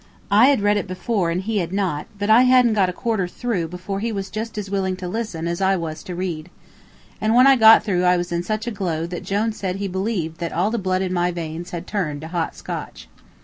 I had read it before and he had not, but I hadn't got a quarter through before he was just as willing to listen as I was to read. And when I got through I was in such a glow that Jone said he believed that all the blood in my veins had turned to hot Scotch.